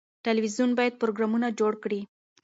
تلویزیون باید پروګرامونه جوړ کړي.